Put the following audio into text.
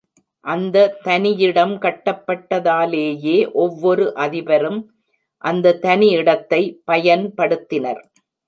அந்த தனியிடம் கட்டப்பட்டதாலேயே ஒவ்வொரு அதிபரும் அந்த தனி இடத்தை பயன்படுத்தினர்.